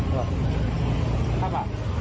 ครับครับ